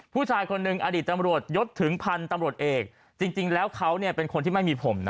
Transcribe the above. ผู้ชายคนหนึ่งอดีตตำรวจยศถึงพันธุ์ตำรวจเอกจริงแล้วเขาเนี่ยเป็นคนที่ไม่มีผมนะ